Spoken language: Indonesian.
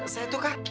saya tuh kak